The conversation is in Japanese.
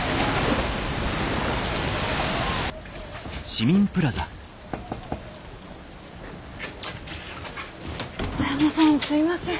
小山さんすいません。